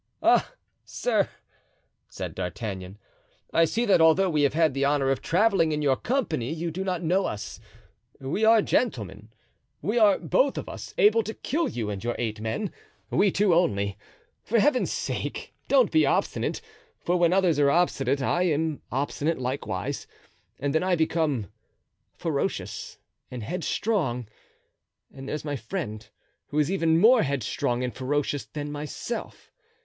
"Ah, sir!" said D'Artagnan, "I see that although we have had the honor of traveling in your company you do not know us. We are gentlemen; we are, both of us, able to kill you and your eight men—we two only. For Heaven's sake don't be obstinate, for when others are obstinate I am obstinate likewise, and then I become ferocious and headstrong, and there's my friend, who is even more headstrong and ferocious than myself.